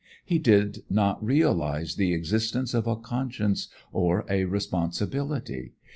He did not realize the existence of a conscience or a responsibility.